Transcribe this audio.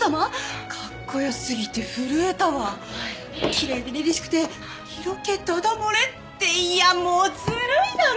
奇麗でりりしくて色気ダダ漏れっていやもうずるいだろ！